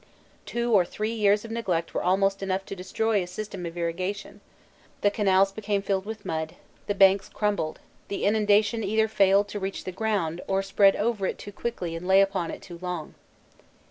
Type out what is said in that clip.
Two or three years of neglect were almost enough to destroy a system of irrigation: the canals became filled with mud, the banks crumbled, the inundation either failed to reach the ground, or spread over it too quickly and lay upon it too long.